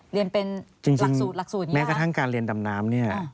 เรียนเป็นหลักสูตรหลักสูตรนี้แม้กระทั่งการเรียนดำน้ำเนี่ย